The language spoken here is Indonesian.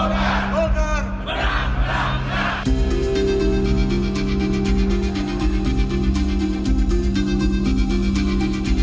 indonesia golkar golkar berang berang berang